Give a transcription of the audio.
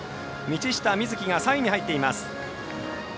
道下美槻が３位に入っています。